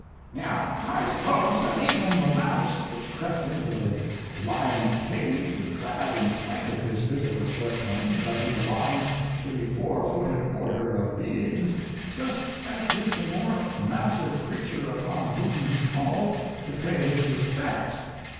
"Now I suppose that even the mouse which crept into the lion's cage was glad in spite o his physical shortcomings that he belonged to the four footed order of beings, just as did the more massive creature upon whom he called to pay his respects.